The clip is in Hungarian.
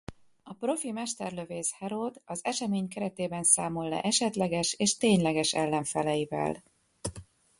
A profi mesterlövész Herod az esemény keretében számol le esetleges és tényleges ellenfeleivel.